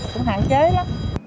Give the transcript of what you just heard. cũng hạn chế lắm